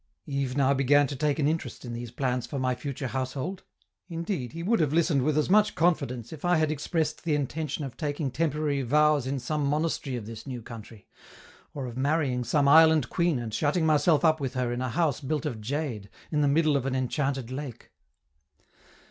Yves now began to take an interest in these plans for my future household; indeed, he would have listened with as much confidence if I had expressed the intention of taking temporary vows in some monastery of this new country, or of marrying some island queen and shutting myself up with her in a house built of jade, in the middle of an enchanted lake.